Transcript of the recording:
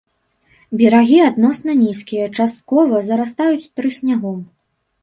Берагі адносна нізкія, часткова зарастаюць трыснягом.